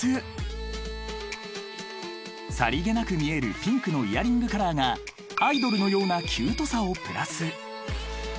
［さりげなく見えるピンクのイヤリングカラーがアイドルのようなキュートさをプラス］